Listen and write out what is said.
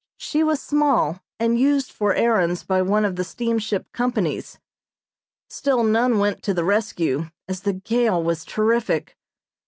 She was small and used for errands by one of the steamship companies. Still none went to the rescue, as the gale was terrific.